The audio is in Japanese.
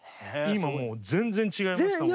今もう全然違いましたもんね。